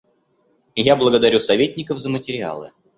Я благодарю советников за материалы.